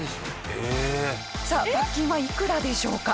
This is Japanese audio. さあ罰金はいくらでしょうか？